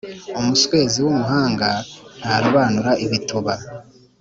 Umuswezi w’umuhanga ntarobanura ibituba.